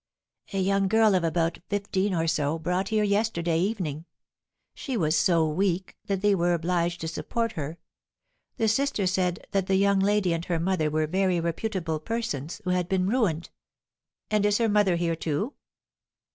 "A young girl of about fifteen or so, brought here yesterday evening. She was so weak that they were obliged to support her. The sister said that the young lady and her mother were very reputable persons, who had been ruined." "And is her mother here, too?"